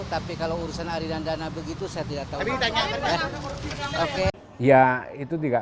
tapi kalau urusan aliran dana begitu saya tidak tahu